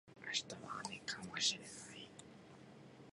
明日は雨かもしれない